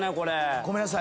ごめんなさい。